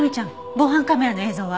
防犯カメラの映像は？